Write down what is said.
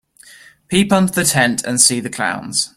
Peep under the tent and see the clowns.